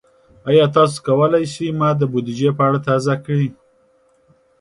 ایا تاسو کولی شئ ما د بودیجې په اړه تازه کړئ؟